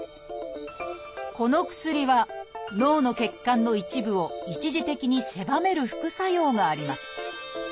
この薬は脳の血管の一部を一時的に狭める副作用があります。